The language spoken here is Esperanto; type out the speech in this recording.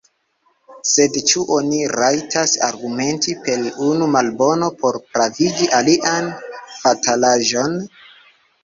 Sed ĉu oni rajtas argumenti per unu malbono por pravigi alian fatalaĵon?